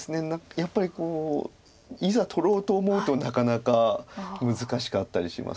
やっぱりいざ取ろうと思うとなかなか難しかったりします。